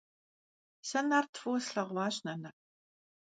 Сэ Нарт фӀыуэ слъэгъуащ, нанэ.